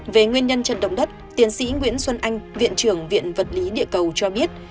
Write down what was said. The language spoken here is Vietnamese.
về nguyên nhân trận động đất tiến sĩ nguyễn xuân anh viện trưởng viện vật lý địa cầu cho biết